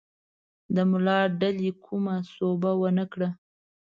د ملا ډلې کومه سوبه ونه کړه.